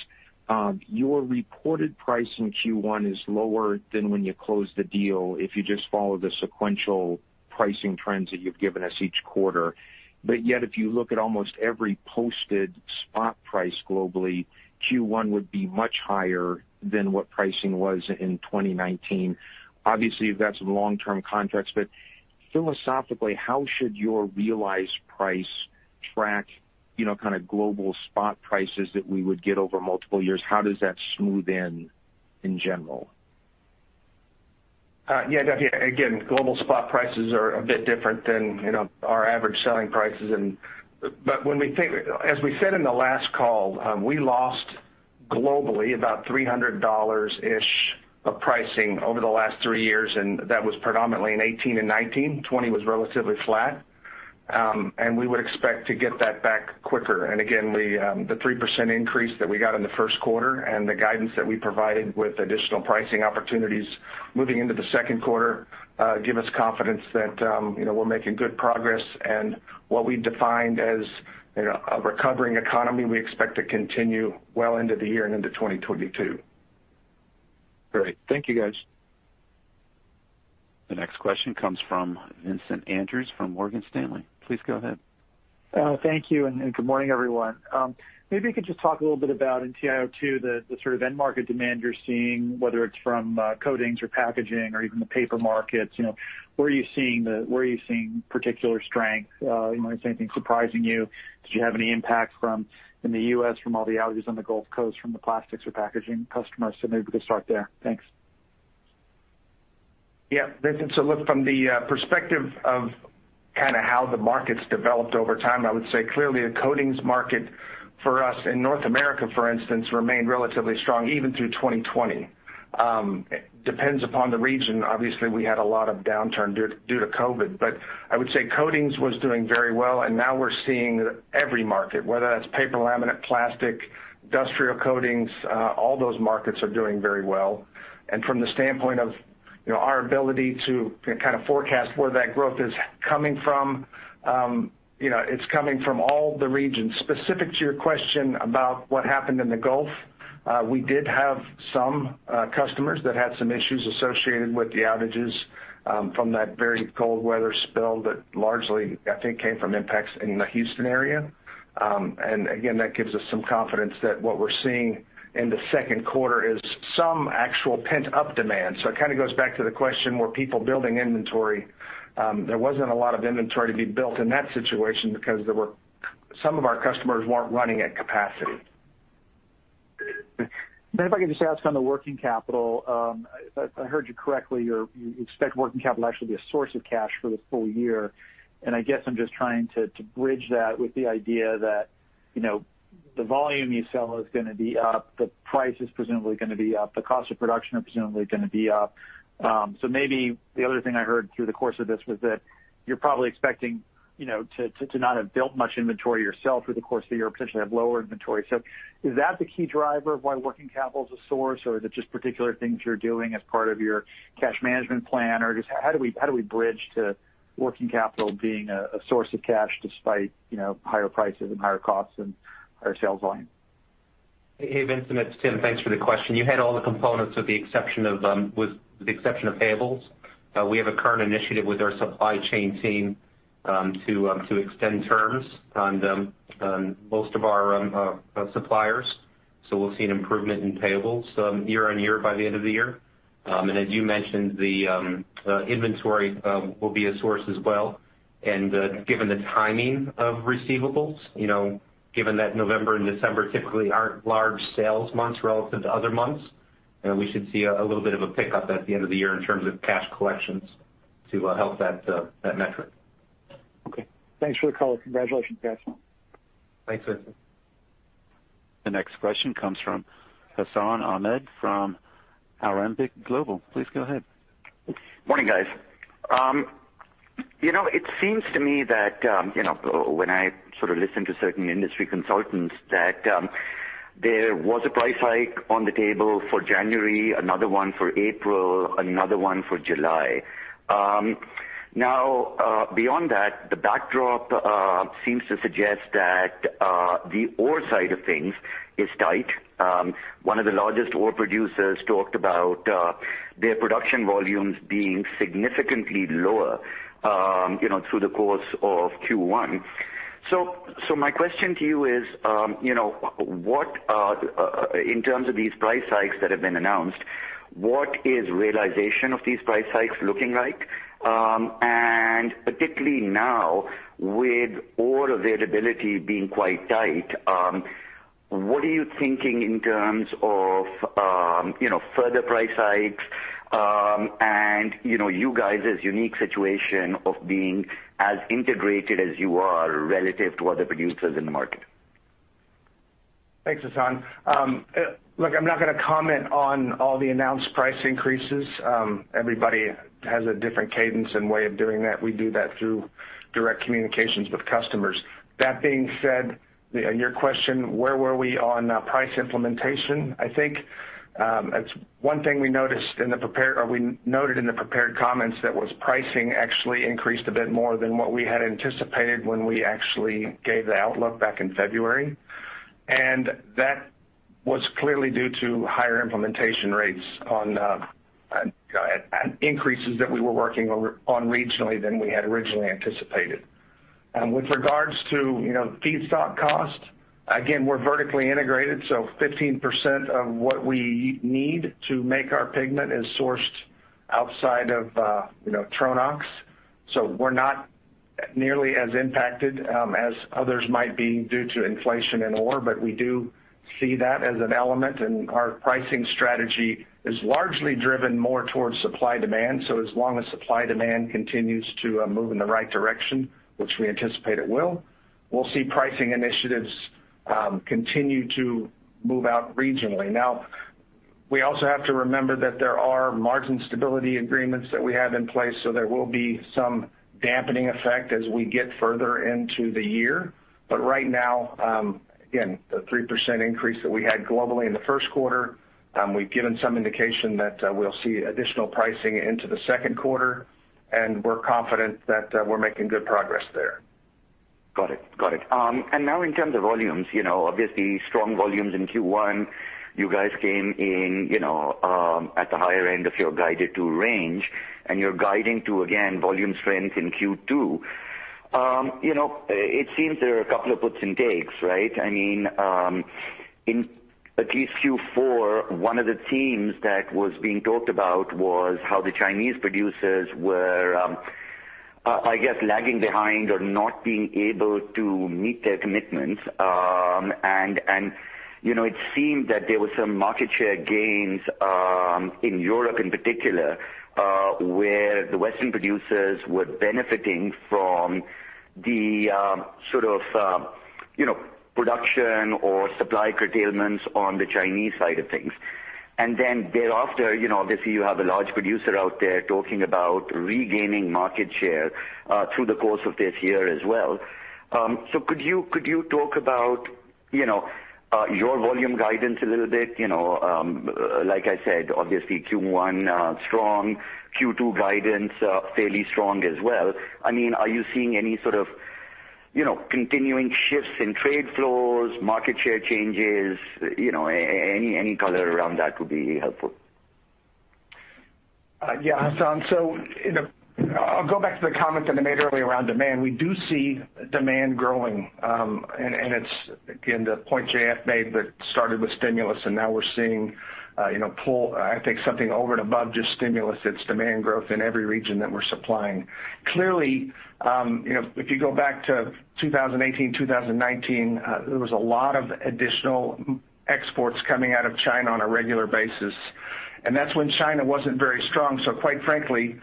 Your reported price in Q1 is lower than when you closed the deal if you just follow the sequential pricing trends that you've given us each quarter. Yet, if you look at almost every posted spot price globally, Q1 would be much higher than what pricing was in 2019. Obviously, you've got some long-term contracts, philosophically, how should your realized price track kind of global spot prices that we would get over multiple years? How does that smooth in in general? Yeah, Duffy. Global spot prices are a bit different than our average selling prices. As we said in the last call, we lost globally about $300-ish of pricing over the last three years, and that was predominantly in 2018 and 2019. 2020 was relatively flat. We would expect to get that back quicker. Again, the 3% increase that we got in the first quarter and the guidance that we provided with additional pricing opportunities moving into the second quarter give us confidence that we're making good progress in what we defined as a recovering economy we expect to continue well into the year and into 2022. Great. Thank you, guys. The next question comes from Vincent Andrews from Morgan Stanley. Please go ahead. Thank you. Good morning, everyone. Maybe you could just talk a little bit about in TiO2, the sort of end market demand you're seeing, whether it's from coatings or packaging or even the paper markets. Where are you seeing particular strength? Is anything surprising you? Did you have any impact in the U.S. from all the outages on the Gulf Coast, from the plastics or packaging customers? Maybe we could start there. Thanks. Yeah. Vincent, look, from the perspective of kind of how the market's developed over time, I would say clearly the coatings market for us in North America, for instance, remained relatively strong even through 2020. Depends upon the region. Obviously, we had a lot of downturn due to COVID, I would say coatings was doing very well, now we're seeing every market, whether that's paper, laminate, plastic, industrial coatings, all those markets are doing very well. From the standpoint of our ability to kind of forecast where that growth is coming from, it's coming from all the regions. Specific to your question about what happened in the Gulf, we did have some customers that had some issues associated with the outages from that very cold weather spell that largely, I think, came from impacts in the Houston area. Again, that gives us some confidence that what we're seeing in the second quarter is some actual pent-up demand. It kind of goes back to the question, were people building inventory? There wasn't a lot of inventory to be built in that situation because some of our customers weren't running at capacity. If I could just ask on the working capital. If I heard you correctly, you expect working capital to actually be a source of cash for the full year. I guess I'm just trying to bridge that with the idea that the volume you sell is going to be up, the price is presumably going to be up, the cost of production are presumably going to be up. Maybe the other thing I heard through the course of this was that you're probably expecting to not have built much inventory yourself through the course of the year or potentially have lower inventory. Is that the key driver of why working capital is a source, or is it just particular things you're doing as part of your cash management plan? Just how do we bridge to working capital being a source of cash despite higher prices and higher costs and higher sales volume? Hey, Vincent, it's Tim. Thanks for the question. You had all the components with the exception of payables. We have a current initiative with our supply chain team to extend terms on most of our suppliers. We'll see an improvement in payables year-on-year by the end of the year. As you mentioned, the inventory will be a source as well. Given the timing of receivables, given that November and December typically aren't large sales months relative to other months, we should see a little bit of a pickup at the end of the year in terms of cash collections to help that metric. Okay. Thanks for the call. Congratulations, guys. Thanks Vincent. The next question comes from Hassan Ahmed from Alembic Global. Please go ahead. Morning, guys. It seems to me that when I listen to certain industry consultants, that there was a price hike on the table for January, another one for April, another one for July. Beyond that, the backdrop seems to suggest that the ore side of things is tight. One of the largest ore producers talked about their production volumes being significantly lower through the course of Q1. My question to you is, in terms of these price hikes that have been announced, what is realization of these price hikes looking like? Particularly now with ore availability being quite tight, what are you thinking in terms of further price hikes and you guys' unique situation of being as integrated as you are relative to other producers in the market? Thanks, Hassan. I'm not going to comment on all the announced price increases. Everybody has a different cadence and way of doing that. We do that through direct communications with customers. Your question, where were we on price implementation? One thing we noted in the prepared comments that was pricing actually increased a bit more than what we had anticipated when we actually gave the outlook back in February. That was clearly due to higher implementation rates on increases that we were working on regionally than we had originally anticipated. With regards to feedstock cost, we're vertically integrated, 15% of what we need to make our pigment is sourced outside of Tronox. We're not nearly as impacted as others might be due to inflation in ore, but we do see that as an element, and our pricing strategy is largely driven more towards supply-demand. As long as supply-demand continues to move in the right direction, which we anticipate it will, we'll see pricing initiatives continue to move out regionally. We also have to remember that there are margin stability agreements that we have in place, so there will be some dampening effect as we get further into the year. Right now, again, the 3% increase that we had globally in the first quarter, we've given some indication that we'll see additional pricing into the second quarter, and we're confident that we're making good progress there. Got it. Now in terms of volumes, obviously strong volumes in Q1. You guys came in at the higher end of your guided to range, you're guiding to, again, volume strength in Q2. It seems there are a couple of puts and takes, right? In at least Q4, one of the themes that was being talked about was how the Chinese producers were, I guess, lagging behind or not being able to meet their commitments. It seemed that there were some market share gains in Europe in particular, where the Western producers were benefiting from the production or supply curtailments on the Chinese side of things. Then thereafter, obviously you have a large producer out there talking about regaining market share through the course of this year as well. Could you talk about your volume guidance a little bit? Like I said, obviously Q1 strong, Q2 guidance fairly strong as well. Are you seeing any sort of continuing shifts in trade flows, market share changes? Any color around that would be helpful. Yeah, Hassan. I'll go back to the comments that I made earlier around demand. We do see demand growing. It's, again, the point J.F. made that started with stimulus, and now we're seeing pull, I think something over and above just stimulus. It's demand growth in every region that we're supplying. Clearly, if you go back to 2018, 2019, there was a lot of additional exports coming out of China on a regular basis, and that's when China wasn't very strong. Quite frankly,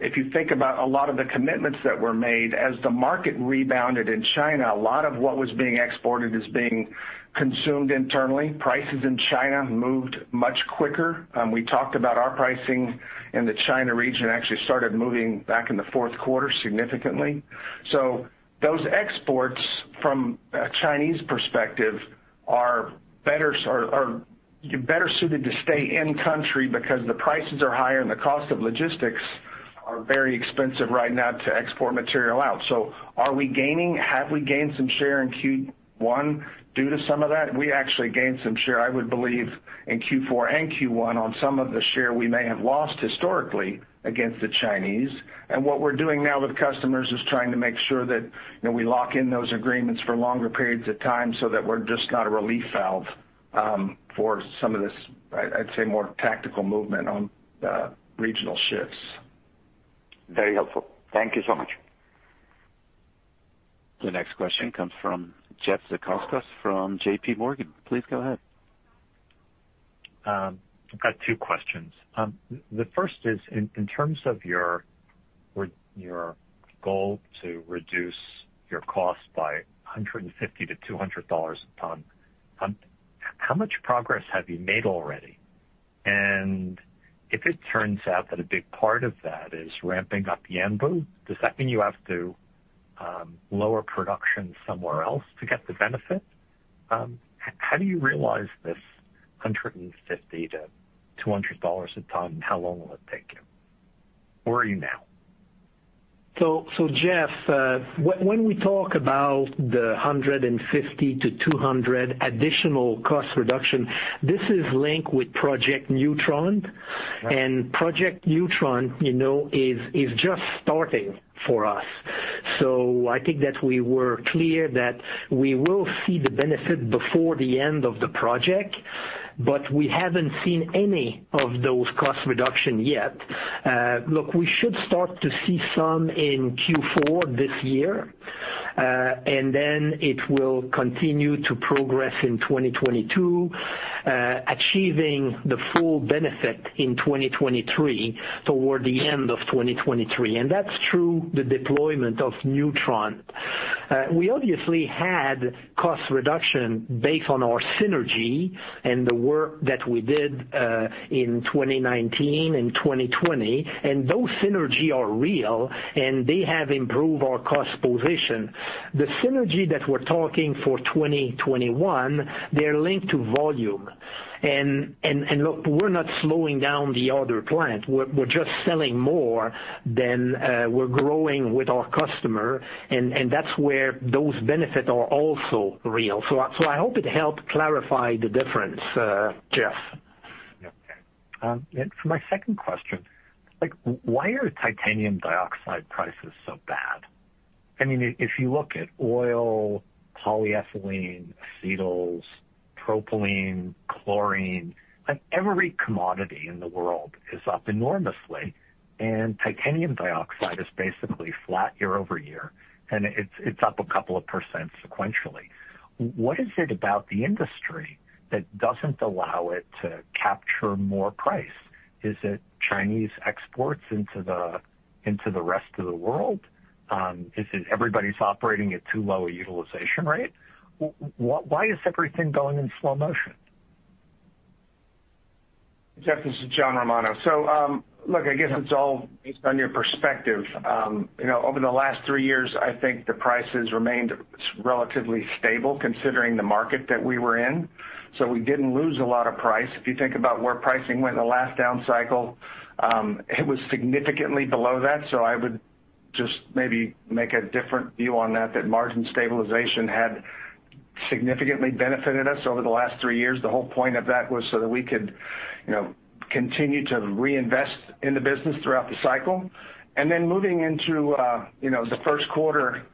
if you think about a lot of the commitments that were made as the market rebounded in China, a lot of what was being exported is being consumed internally. Prices in China moved much quicker. We talked about our pricing in the China region actually started moving back in the fourth quarter significantly. Those exports from a Chinese perspective are better suited to stay in country because the prices are higher and the cost of logistics are very expensive right now to export material out. Are we gaining? Have we gained some share in Q1 due to some of that? We actually gained some share, I would believe, in Q4 and Q1 on some of the share we may have lost historically against the Chinese. What we're doing now with customers is trying to make sure that we lock in those agreements for longer periods of time so that we're just not a relief valve for some of this, I'd say, more tactical movement on regional shifts. Very helpful. Thank you so much. The next question comes from Jeff Zekauskas from JPMorgan. Please go ahead. I've got two questions. The first is, in terms of your goal to reduce your cost by $150-$200 a ton, how much progress have you made already? If it turns out that a big part of that is ramping up Yanbu, does that mean you have to lower production somewhere else to get the benefit? How do you realize this $150-$200 a ton, and how long will it take you? Where are you now? Jeff, when we talk about the $150-$200 additional cost reduction, this is linked with Project newTRON. Right. Project newTRON is just starting for us. I think that we were clear that we will see the benefit before the end of the project, but we haven't seen any of those cost reduction yet. Look, we should start to see some in Q4 this year, and then it will continue to progress in 2022, achieving the full benefit in 2023, toward the end of 2023. That's through the deployment of newTRON. We obviously had cost reduction based on our synergy and the work that we did in 2019 and 2020. Those synergy are real, and they have improved our cost position. The synergy that we're talking for 2021, they're linked to volume. Look, we're not slowing down the other plant. We're just selling more than we're growing with our customer, and that's where those benefit are also real. I hope it helped clarify the difference, Jeff. Yeah. For my second question, why are titanium dioxide prices so bad? If you look at oil, polyethylene, acetyls, propylene, chlorine, every commodity in the world is up enormously, and titanium dioxide is basically flat year-over-year, and it's up a couple of percent sequentially. What is it about the industry that doesn't allow it to capture more price? Is it Chinese exports into the rest of the world? Is it everybody's operating at too low a utilization rate? Why is everything going in slow motion? Jeff, this is John Romano. Look, I guess it's all based on your perspective. Over the last three years, I think the prices remained relatively stable considering the market that we were in. We didn't lose a lot of price. If you think about where pricing went in the last down cycle, it was significantly below that. I would just maybe make a different view on that margin stabilization had significantly benefited us over the last three years. The whole point of that was so that we could continue to reinvest in the business throughout the cycle. Moving into the first quarter,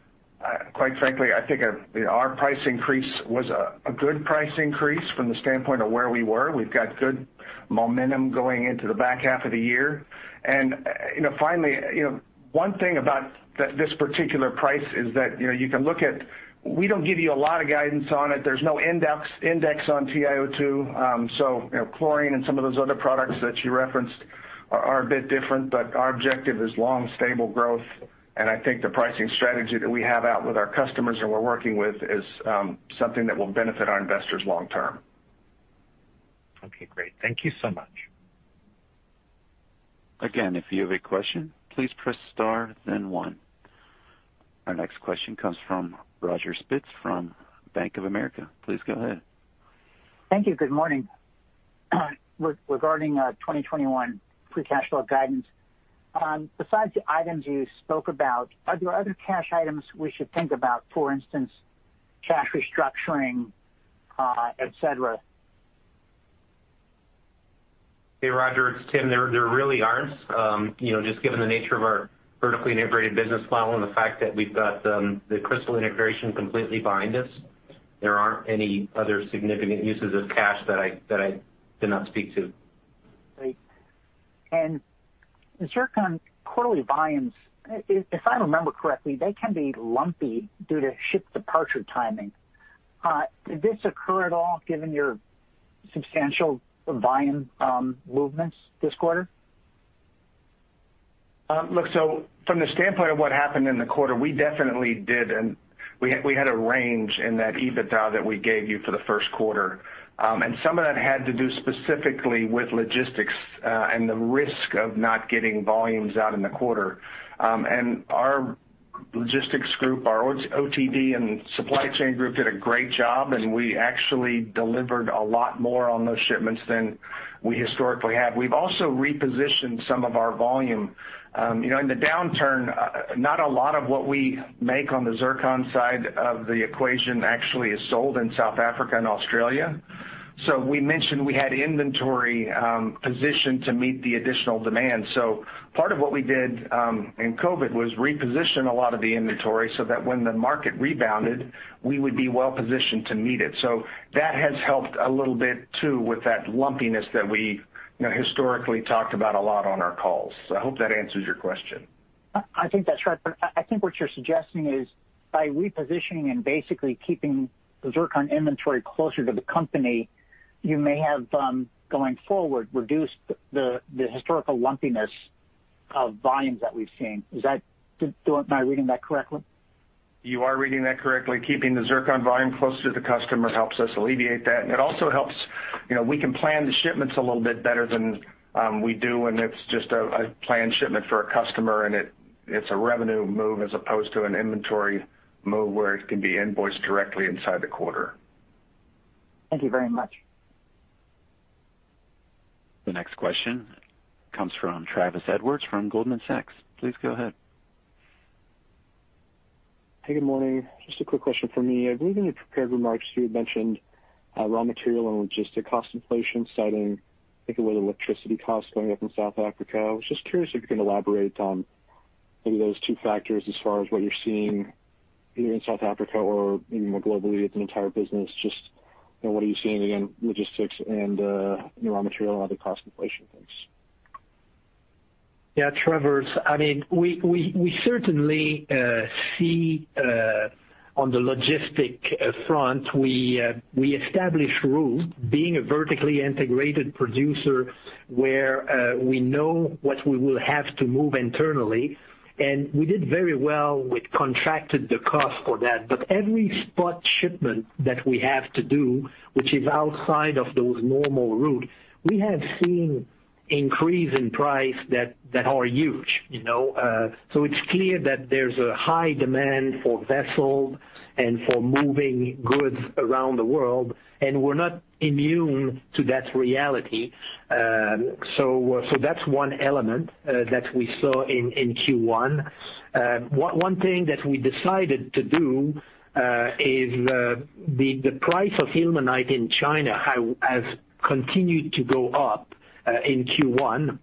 quite frankly, I think our price increase was a good price increase from the standpoint of where we were. We've got good momentum going into the back half of the year. Finally, one thing about this particular price is that we don't give you a lot of guidance on it. There's no index on TiO2. Chlorine and some of those other products that you referenced are a bit different, but our objective is long, stable growth, and I think the pricing strategy that we have out with our customers that we're working with is something that will benefit our investors long term. Okay, great. Thank you so much. Again, if you have a question, please press star, then one. Our next question comes from Roger Spitz from Bank of America. Please go ahead. Thank you. Good morning. Regarding our 2021 free cash flow guidance, besides the items you spoke about, are there other cash items we should think about, for instance, cash restructuring, et cetera? Hey, Roger, it's Tim. There really aren't. Just given the nature of our vertically integrated business model and the fact that we've got the Cristal integration completely behind us, there aren't any other significant uses of cash that I did not speak to. Great. Zircon quarterly volumes, if I remember correctly, they can be lumpy due to ship departure timing. Did this occur at all given your substantial volume movements this quarter? Look, from the standpoint of what happened in the quarter, we definitely did, and we had a range in that EBITDA that we gave you for the first quarter. Some of that had to do specifically with logistics, and the risk of not getting volumes out in the quarter. Our logistics group, our OTD and supply chain group did a great job, and we actually delivered a lot more on those shipments than we historically have. We've also repositioned some of our volume. In the downturn, not a lot of what we make on the zircon side of the equation actually is sold in South Africa and Australia. We mentioned we had inventory positioned to meet the additional demand. Part of what we did in COVID was reposition a lot of the inventory so that when the market rebounded, we would be well-positioned to meet it. That has helped a little bit too with that lumpiness that we historically talked about a lot on our calls. I hope that answers your question. I think that's right. I think what you're suggesting is by repositioning and basically keeping the zircon inventory closer to the company, you may have, going forward, reduced the historical lumpiness of volumes that we've seen. Am I reading that correctly? You are reading that correctly. Keeping the zircon volume closer to the customer helps us alleviate that. It also helps, we can plan the shipments a little bit better than we do when it's just a planned shipment for a customer, and it's a revenue move as opposed to an inventory move where it can be invoiced directly inside the quarter. Thank you very much. The next question comes from Travis Edwards from Goldman Sachs. Please go ahead. Hey, good morning. Just a quick question from me. I believe in your prepared remarks, you had mentioned raw material and logistic cost inflation, citing, I think it was electricity costs going up in South Africa. I was just curious if you can elaborate on maybe those two factors as far as what you're seeing either in South Africa or maybe more globally as an entire business. What are you seeing in logistics and raw material and other cost inflation things? Yeah, Travis. We certainly see on the logistic front, we establish route, being a vertically integrated producer where we know what we will have to move internally. We did very well with contracted the cost for that. Every spot shipment that we have to do, which is outside of those normal route, we have seen increase in price that are huge. It's clear that there's a high demand for vessel and for moving goods around the world, and we're not immune to that reality. That's one element that we saw in Q1. One thing that we decided to do is, the price of ilmenite in China has continued to go up in Q1,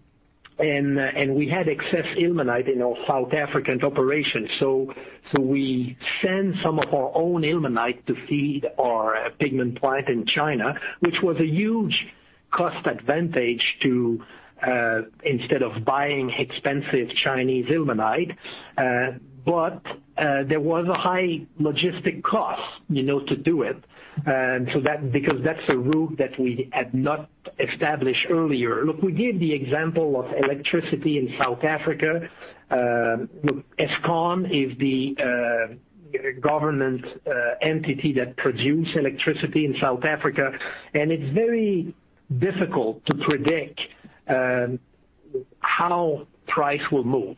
and we had excess ilmenite in our South African operation. We send some of our own ilmenite to feed our pigment plant in China, which was a huge cost advantage to instead of buying expensive Chinese ilmenite. There was a high logistic cost to do it. That's a route that we had not established earlier. Look, we gave the example of electricity in South Africa. Look, Eskom is the government entity that produce electricity in South Africa, and it's very difficult to predict how price will move.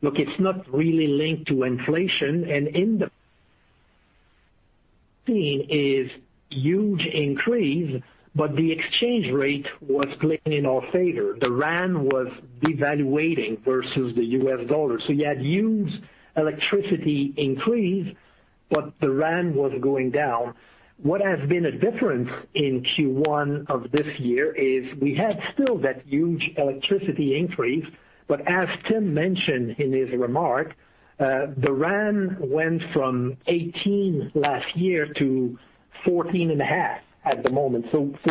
Look, it's not really linked to inflation. In the is huge increase, but the exchange rate was playing in our favor. The rand was devaluating versus the U.S. dollar. You had huge electricity increase, but the rand was going down. What has been a difference in Q1 of this year is we had still that huge electricity increase. As Tim mentioned in his remark, the rand went from 18 last year to 14.5 at the moment.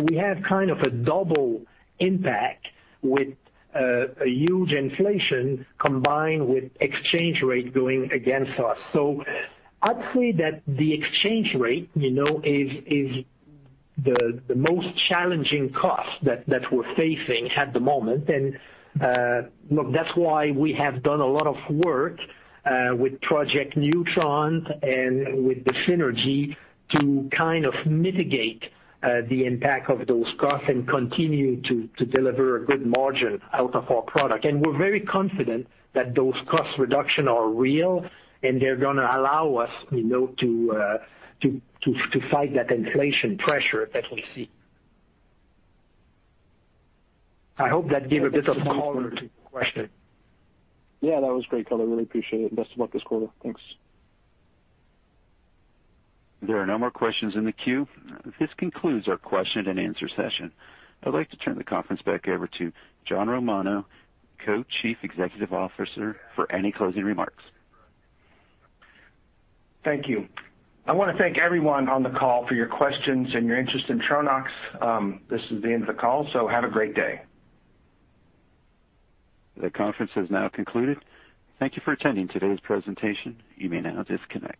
We have kind of a double impact with a huge inflation combined with exchange rate going against us. I'd say that the exchange rate is the most challenging cost that we're facing at the moment. Look, that's why we have done a lot of work with Project newTRON and with the synergy to kind of mitigate the impact of those costs and continue to deliver a good margin out of our product. We're very confident that those cost reduction are real, and they're going to allow us to fight that inflation pressure that we see. I hope that gave a bit of comfort to your question. Yeah, that was great color. Really appreciate it, and best of luck this quarter. Thanks. There are no more questions in the queue. This concludes our question and answer session. I'd like to turn the conference back over to John Romano, Co-chief Executive Officer, for any closing remarks. Thank you. I want to thank everyone on the call for your questions and your interest in Tronox. This is the end of the call. Have a great day. The conference has now concluded. Thank you for attending today's presentation. You may now disconnect.